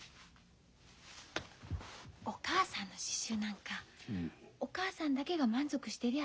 お母さんの刺繍なんかお母さんだけが満足してりゃ